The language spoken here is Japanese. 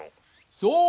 そう！